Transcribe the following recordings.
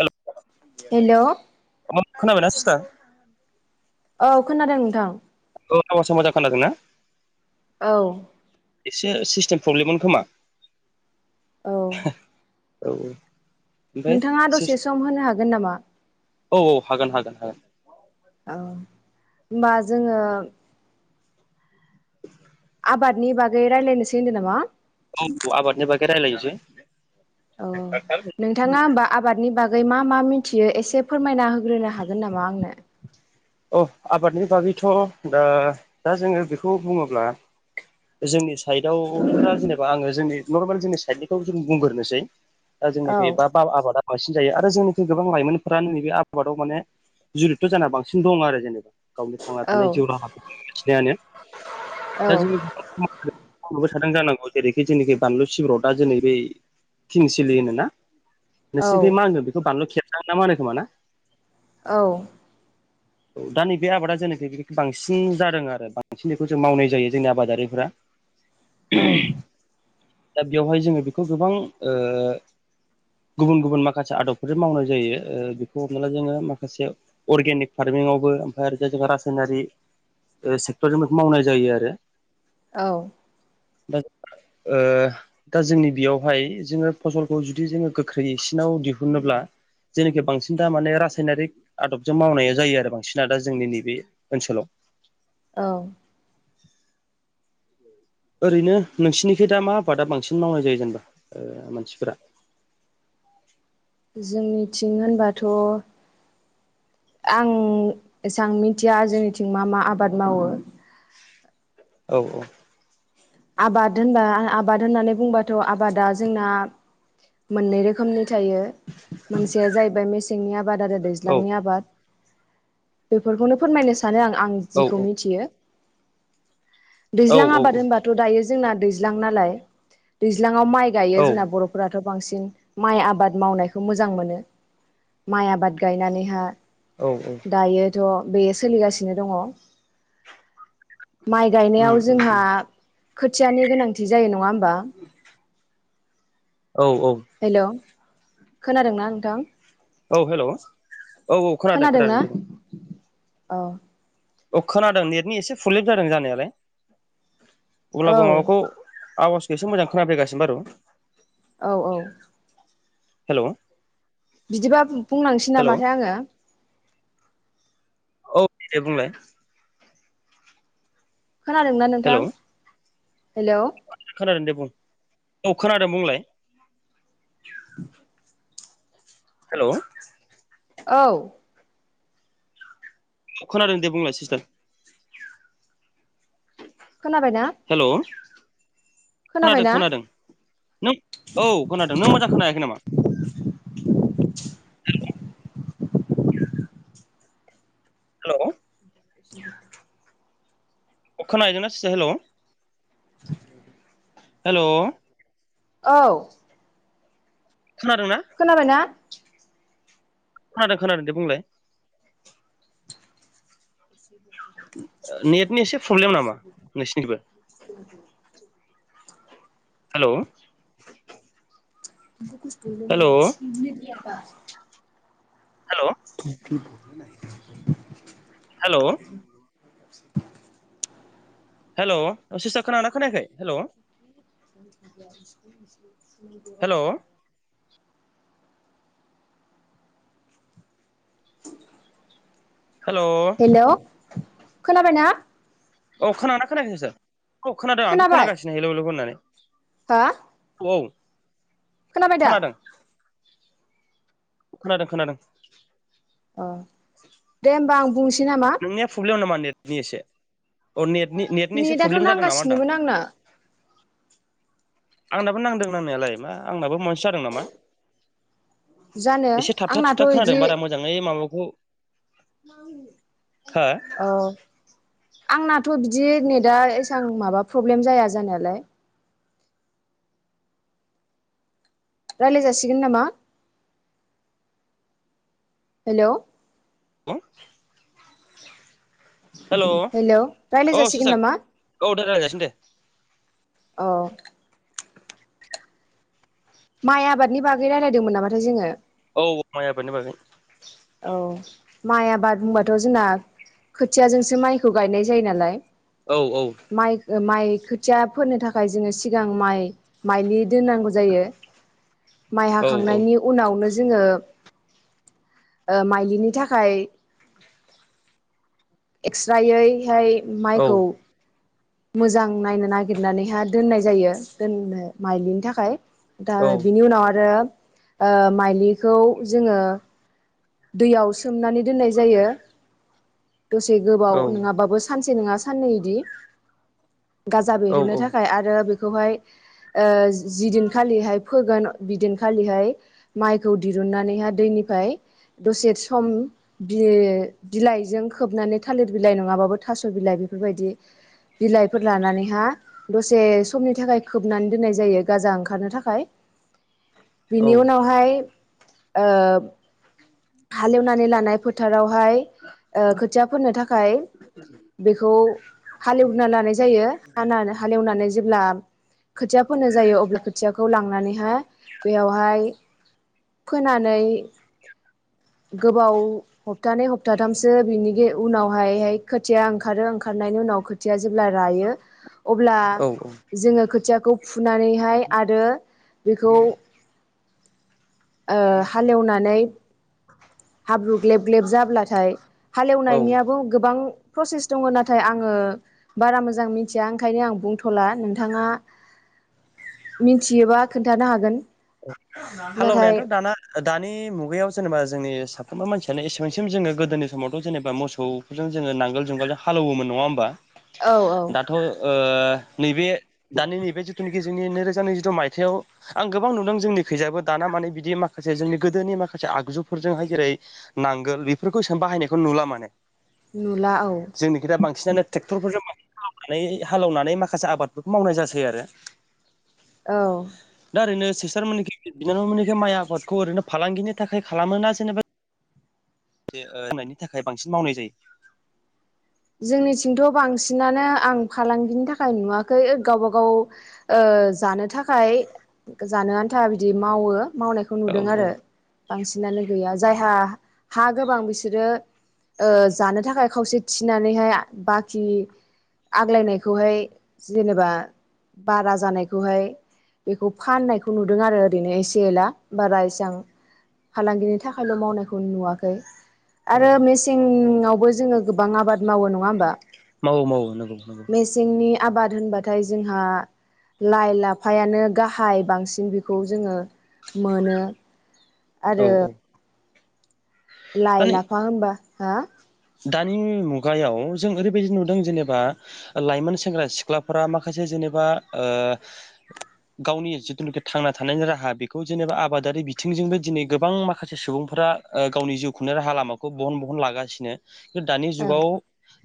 हेल hello ओ माबा खोनाबायना सुसार? औ खोनादों नोंथां। औ एबारसो मोजां खोनादोंना? औ एसे सिस्टेम पब्लेममोन खोमा। औ औ ओमफ्राय नोंथाङा दसे सम होनो हागोन नामा? औ औ हागोन हागोन हागोन। ओं होनबा जोङो आबादनि बागै रायलायनोसै होनदों नामा? औ आबादनि बागै रायलायनोसै। अ नोंथाङा होमबा आबादनि बा गै मा मा मिथियो एसे फोरमायना होग्रोनो हागोन नामा आंनो? अ आबादनि बागैथ' दा दा जोङो बेखौ बुङोब्ला जोंनि साइदआव दा जेनेबा आङो जोंनि नरमेल जोंनि साइडनिखौ जों बुंग्रोनोसै। दा औ जोंनि बा आबादा बांसिन जायो आरो जोंनिखि गोबां लाइमोनफोरा नैबे आबादाव माने जुरि ' जाना बांसिन दं आरो जेनेबा गावनि थांना औ थानाय जिउ राहा खिनायानो औ दा जोंनि खिदों जानांगौ जेरैखि जोंनिखि बानलु सिब्राव दा जोंनि बै किंसिलि होनो ना नोंसिनिफ्राय मा होनगोन बेखौ बानलु खेबजां ना मा होनो खोमाना औव औव दा नैबे आबादा जेखि बे बांसिन जादों आरो बांसिन बेखौ जों मावनाय जायो जोंनि आबादारिफ्रा औव दा बेवहाय जोङो बेखौ गोबां ओ गुबुन गुबुन माखासे आदबफोर मावनाय जायो ओ बेखौ हमना ला जोङो माखासे अर्गेनिक फार्म आवबो ओमफ्राय जाय जाया रासायनारि सेक्टरजों मावनाय जायो आरो औव दा ओ दा जोंनि बेयावहाय जोङो फसलखौ जुदि जोङो गोख्रैसिनाव दिहुनोब्ला जेखि बांसिन दा माने रासायनारिक आदबजों मावनायाव जायो आरो बांसिना दा जोंनि नैबे ओनसोलाव औव ओरैनो नोंसोरनिखि दा मा आबादा बांसिन मावनाय जायो जेनेबा मानसिफोरा [unintelligible] जोंनिथिं होनबाथ' आं एसेबां मिथिया जोंनिथिं मा मा आबाद मावो। औव औव आबाद होनबा आबाद होननानै बुंबाथ' आबादा जोंना मोननै रोखोमनि थायो मोनसेया जाहैबाय मेसेंनि आबाद आरो औ दैज्लांनि आबाद बेफोरखौनो फोरमायनो सानो आं आं जिखौ औ मिथियो। औ दैज्लां आबाद होनबाथ' दायो जोंना दैज्लां नालाय दैजां माइ गायो औ जोंना बर'फोराथ' बांसिन माइ आबाद मावनायखौ मोजां मोनो माइ आबाद गायनानैहा औव औव थ' बेयो सोलिगासिनो दङ। माइ गायनायाव उम उम जोंहा उम खोथियानि गोनांथि जायो नङा होमबा औव औव हेल' खोनादोंना नोंथां? औव हेल' औ औ खोनादों खोनादों। औव अ खोनादों नेटनि एसे प्रब्लेम जादों जानायालाय औ अब्लाबो माबाखौ आवाजखौ एसे मोजां खोनाफैगासिनो बारु औव औव हेल' बिदिबा बुंनांसै हेल' नामाथाय आङो औव दे बुंलाय। खोनादोंना नोंथां हेलौ हेलौ । खोनादों दे बुं औ खोनादों बुंलाय हेल' औव अ खोनादों दे बुंलाय सिस्टार। खोनाबायना हेलौ खोनादों खोनाबायना खोनादों नों औव खोनादों, नों मोजां खोनायाखै नामा? [unintelligible] हेल' [inaudible] खोना हैदोंना हेल'। हेल' औ खोनादोंना खोनाबायना? खोनादों खोनादों दे बुंलाय नेटनि एसे प्रब्लेम नामा नोंसिनिबो? हेल' [unintelligible] हेलौ [unintelligible] हेल' [inaudible] हेल' हेलौ [inaudible] हेलौ हेलौ खोनाबायना? औ खोनादोंना खोनायाखै नोंसार औ खोनादों आंथ' खोनाबाय खोनागासिनो हेलौ हेलौ होननानै। हा? औ खोनाबाय दा? खोनादों खोनादों खोनादों। अ दे होमबा आं बुंसै नामा नोंनिया फ्लब्लेम नामा नेटनि एसे अ नेट नि नेटनि एसे नेटआथ' प्रब्लेम जादों नामा होनदां? नांगासिनोमोन आंना आंनाबो नांदों नांनायालाय मा आंनाबो महायसो जादों नामा। जानो एसे थाबथा आंनाथ' थुबथा खोनादों इदि बारा मोजाङै माबाखौ हो अ आंनाथ' बिदि नेै दा एसबां माबा प्रब्लेम जाया जानायालाय रायलाय जासिगोन नामा। हेलौ औ हेलौ रायलाय औ जासिगोन सुसाक नामा औ दे रायलायजासिगोन दे। औ माइ आबादनि बागै रायलायदोंमोन नामाथाय जोङो औ माइ आबादनि बागै। औ माइ आबाद बुंबाथ' जोंना खोथियाजोंसो माइखौ गायनाय जायो नालाय। औ औ माइ माइ खोथिया फोनो थाखाय जोङो सिगां माइ माइलि दोननांगौ जायो माइ औ औ हाखांनायनि उनावनो जोङो ओ माइलिनि थाखाय एक्स्रायैहाय औ माइखौ‌ मोजां नायनो नागिरनानैहा दोननाय जायो दोननो माइलिनि थाखाय। दा औ बिनि उनाव आरो ओ माइलिखौ जोङो दैयाव सोमनानै दोननाय जायो दसे गोबाव औ नङाबाबो सानसे नङा साननै इदि गाजा बेरहोनो औ थाखाय आरो खौहाय ओ जिदिनखालिहाय फोगोन बिदिनखालिहाय माइखौ दिरुन नानैहा दैनिफ्राय दसे सम बि-बिलाइजों खोबनानै थालिर बिलाइ नङाबाबो थास' बिलाइ बे फोरबायदि बिलाइफोर लानानैहा दसे समनि थाखाय खोबनानै दोननाय जायो गाजा ओंखारनो थाखाय। औ बिनि उनावहाय ओ हालेवनानै लानाय फोथारावहाय ओ खोथिया फोनो थाखाय बेखौ हालेवना लानाय जायो। हानानै हालेवनानै जेब्ला खोथिया फोनो जायो अब्ला खोथियाखौ लांनानैहाय बेयावहाय फोनानै गोबाव हप्थानै हप्थाथामसो बिनि उनावहायहाय खोथिया ओंखारो ओंखारनायनि उ नाव खोथिया जेब्ला रायो अब्ला औ जोङो खोथियाखौ फुनानैहाय आरो बेखौ ओ हालेवनानै हाब्रु ग्लेब ग्लेब जाब्लाथाय औ हालेवनायनियाबो गोबां प्रसेस दङ नाथाय आङो बारा मोजां मिथिया ओंखायनो आं बुंथ'ला नोंथाङा मिथियोबा खोन्थानो हागोन। हाल नाथाय एवनायाथ' दाना दानि मुगायाव जेनेबा जोंनि साफ्रोमबो मानसियानो एसेबांसिम जोङो गोदोनि समावथ' जेनेबा मोफोरजों जोङो नांगोल जुंगालजों हालौमोन नङा होमबा? औ औ ओ-नैबे दानि नैबे जिथुनाखि जोंनि नैरोजा नैजिद' मायथाइयाव आं गोबां नुदों जोंनि खैजाबो दाना माने बिदि माखासे जोंनि गोदोनि माखासे आगजुफोरजोंहाय जेरै नांगो ल बेफोरखौ एसेबां बाहायनायखौ नुला माने नुला औ जोंनिखि दा बांसिनानो ट्रेक्टरफोरजोंनानै हालेवनानै माखासे आबादफोरखौ मावनाय जासै आरो। औ दा ओरैनो सिसथार मोननिखै बिनानाव मोननिखै माइ आबादखौ ओरैनो फालांगिनि थाखाय खालामोना जेनेबा? दे ओ- दोननायनि थाखाय बांसिन मावनाय जायो। जोंनिथिंथ' बांसिनानो आं फालांगिनि थाखाय नुवाखै ओ-गावबा गाव ओ ओ- जानो थाखाय जानो आन्था बिदि मावो। मावनायखौ औ नुदों औ आरो बांसिनानो गैया जायहा। हा गोबां बिसोरो जानो ओ-थाखाय खावसे। थिनानैहाय बाखि। आग्लायनायखौहाय जेनेबा बारा जानायखौहाय। बेखौ फाननायखौ नुदों आरो ओरैनो एसे एला बारा एसां। फालांगिनि थाखायल' मावनायखौ नुवाखै औ ।आरो मेसेङावबो जोङो। गोबां आबाद मावो नङा होमबा? मावो मावो नंगौ नंगौ मेसेंनि आबाद होनबाथाय जोंहा। लाइ लाफायानो गाहाय। बांसिन बेखौ जोङो मोनो औ आरो औ लाइ माने लाफा होमबा हा? दानि मुगायाव जों ओरैबायदि नुदों जेनेबा लाइमोन सेंग्रा सिख्लाफोरा माखासे। जेनेबा ओ- गावनि जिथुनाखि थांना थानायनि राहा बेखौ जेनेबा आबादारि बिथिंजोंबो दिनै गोबां माखासे सुबुं। फोरा गाव ओ- जिउ खुंनो राहा लामाखौ बहन बहन लागासिनो दा दानि जुगाव।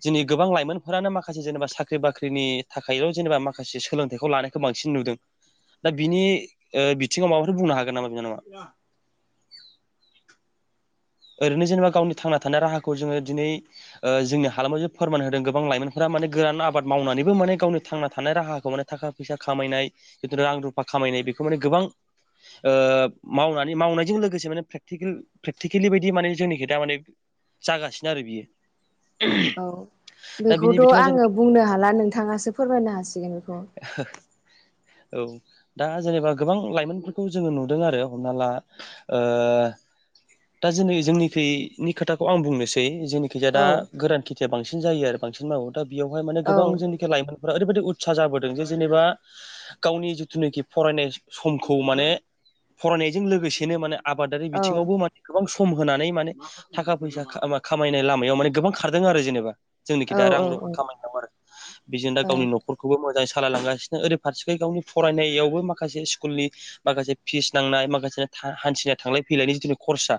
दिनै गोबां लाइमोनफोरानो माखासे जेनेबा साख्रि बाख्रिनि थाखायल' जेनेबा माखासे सोलोंथाइखौ लानायखौ बांसिन नु दों। दा बिनि ओ-बिथिङाव माबाफोर बुंनो हागोन नामा बिनानावा? [inaudible] ओरैनो जेनेबा गावनि थांना थानाय राहाखौ जोङो दिनै ओ जोंनि हालामाव जे फोरमान होदों गोबां लाइमोनफोरा। माने गोरान आबाद मावनानैबो माने गावनि थांना थानाय राहाखौ माने थाखा फैसा खामाय बिदिनो रां रुफा खामाय बेखौमाने गोबां ओ-मावनानै मावनायजों लोगोसे माने प्रेकटिकेल प्रेकटि खेलि बदि माने जोंनि खोथा माने जागासिनो आरो बियो। औ दा बिनि बेखौथ' बिथिङाव आङो जेनेबा बुंनो हाला नोंथाङासो फोरमायनो हासिगोन बेखौ। औ दा जेनेबा गोबां लाइमोनफोरखौ जोङो नुदों आरो हमना ला ओ [unintelligible] दा जोंनि जोंनिखैनि खोथाखौ आं बुंनोसै जोंनिखै दा औ गोरान खेथिया बांसिन। जायो आरो बांसिन मावो दा बिवहाय माने औ गोबां जोंनिखि लाइमोन फोरा ओरैबायदि उत्सा जाबोदों जे जेनेबा गावनि जिथुनिखि फरायनाय समखौ माने फरायनायजों लोगोसेनो माने आबादारि औ बिथिङावबो माने गोबां सम होनानै माने थाखा फैसा खामा खामायनाय लामायाव माने गोबां खारदों आरो जेनेबा। जोंनिखि औ दा रां रुफा औ खामाय नांगौ आरो बिजोंनो दा औ गावनि न'खरखौबो मोजाय सालायलांगासिनो ओरै फारसेखै गावनि फरायनायावबो माखासे स्कुलनि माखासे फिस नांनाय माखासे हा-हा- हान्थिनाय थांलाय फैलायनि जिथु खरसा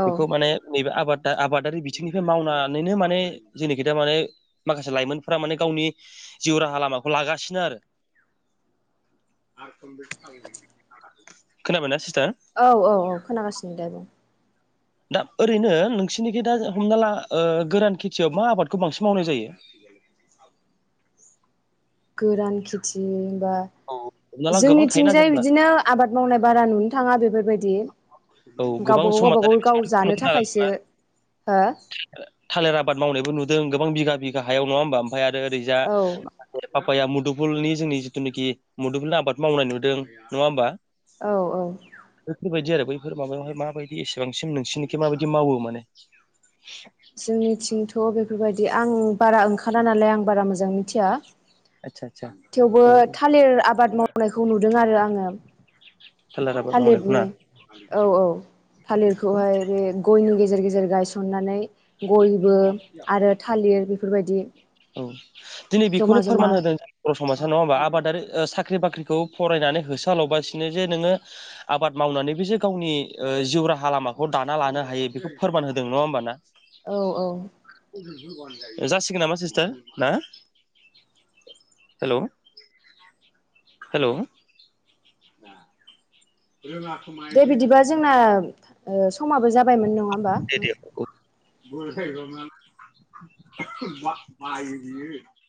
औ बेखौ माने नैबे आबाद दा आबादारि बिथिंनिफ्राय मावनानैनो माने जोंनिखि दा माने माखासे लाइमोनफोरा माने गावनि जिउ राहा लामाखौ लागासिनो आरो। [unintelligible] [unintelligible] [unintelligible] खोनाबाय ना सिस औ औ औ खोनागासिनो दे बुं? दा ओरैनो नोंसिनिखि दा जो हमना ला ओ गोरान खेथियाव मा आबादखौ बांसिन मावनाय जायो? [inaudible] अब सि गोरान खेथि होन बा औ हमना ला गोबां थायोना जोंनिथिंजाय जेनेबा बिदिनो आबाद मावनाय बारा नुनो थाङा बेफोरबायदि। औ गोबां गावबा गाव गावबागाव गाव जानो थाखायसो। हो थो ओ थालेर आबाद मावनायबो नु जों गोबां बिघा बिघा हायाव नङा होमबा ओमफाय आरो ओरैजा औ बेयो हाखर आफाया मुदुफुलनि जोंनि जिथुनिखि मुदुफुल आबाद मावनाय नुदों गैया नङा होमबा? औ इफोर बायदि आरो बैफ इफोर माबायावहाय माबायदि एसेबांसिम नोंसिनिखि माबायदि मावो माने जोंनिथिंथ' बेफोरबायदि आं बारा ओंखारा नालाय आं बारा मोजां मिथिया। आदसा आदसा थेवबो औ थालिर आबाद मावनायखौ नुदों आरो आङोम सालार आबाद मावनायखौ थालिरनि ना औ औ थालिरखौहाय बे गय नि गेजेर गेजेर गायसननानै गयबो आरो थालिर बेफोरबायदि औ दिनै बेखौनो जमा जमा फोरमान होदों ‌अज समाजा नङा होमबा आबादारि ओ साख्रि बाख्रिखौ फरायनानै होसो हलबासिनो जे नोङो आबाद मावनांग माने बे जे गावनि ओ जिउ राहा लामाखौ दाना लानो हायो बेखौ फोरमान होदों नङा होमबा ना? औ औ ओ बेखो होबानो जायो जासिगोन नामा सिस्टार ना? हेलौ हेलौ दा दे बिदिबा जोंनाम ओ समाबो जाबायमोन नङा होम दे दे अ [unintelligible] [unintelligible]